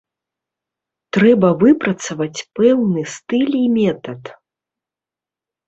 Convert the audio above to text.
Трэба выпрацаваць пэўны стыль і метад.